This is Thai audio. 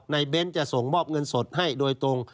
เบ้นจะส่งมอบเงินสดให้โดยตรง